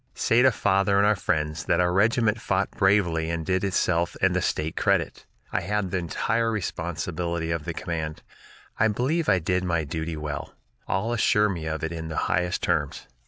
"Say to father and our friends that our regiment fought bravely and did itself and the State credit. I had the entire responsibility of the command. I believe I did my duty well; all assure me of it in the highest terms.